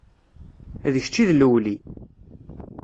D kečč i d lewli.